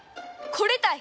これたい！